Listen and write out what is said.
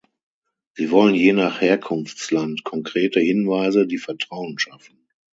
Sie wollen je nach Herkunftsland konkrete Hinweise, die Vertrauen schaffen.